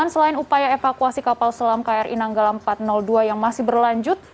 supaya evakuasi kapal selam kri nanggalam empat ratus dua yang masih berlanjut